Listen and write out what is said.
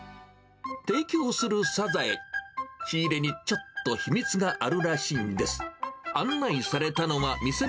提供するサザエ、仕入れにちょっと秘密があるらしいんです。